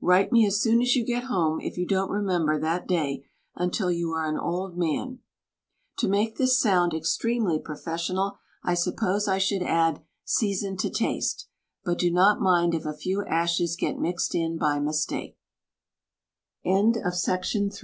Write me as soon as you get home if you don't remem ber that day until you are an old man. To make this sound extremely professional I suppose I should add, "Season to taste," but do not mind if a few ashes